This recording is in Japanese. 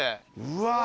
うわ。